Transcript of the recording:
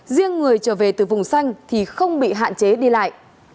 riêng người trở về từ vùng xanh thì không bị hạn chế đi lại